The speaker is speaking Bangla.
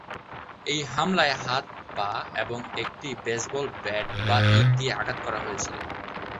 এই হামলায় হাত, পা এবং একটি বেসবল ব্যাট বা ইট দিয়ে আঘাত করা হয়েছিল।